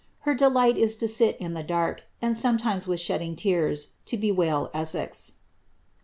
Her delight is to sit m the dark, and sometimes with shedding tears, to bewail Essex.''